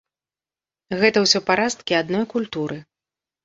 Гэта ўсё парасткі адной культуры.